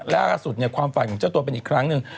และสุดเนี่ยความฝันของเจ้าตัวเป็นอีกครั้งนึง